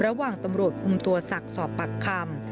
ระหว่างตำรวจคุมตัวศักดิ์สอบปากคำ